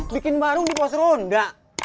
bikin warung di pos ronda